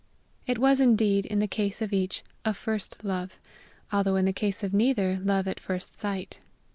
It was, indeed, in the case of each a first love, although in the case of neither love at first sight.